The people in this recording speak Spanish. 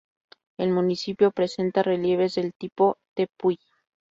El municipio presenta, relieves del tipo Tepuy.